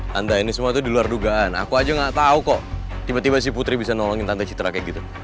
tanda ini semua tuh diluar dugaan aku aja gak tau kok tiba tiba si putri bisa nolongin tante citra kayak gitu